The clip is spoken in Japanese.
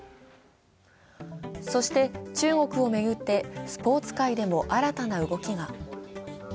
そして中国を巡ってスポーツ界でも新たな動きが。